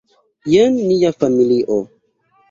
Jen nia familio.